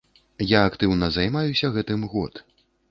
Я актыўна займаюся гэтым год.